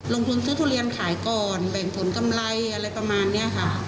ลงทุนซื้อทุเรียนขายก่อนแบ่งผลกำไรอะไรประมาณนี้ค่ะ